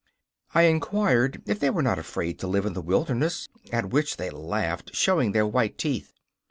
I inquired if they were not afraid to live in the wilderness, at which they laughed, showing their white teeth.